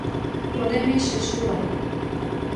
Plodem je šešule.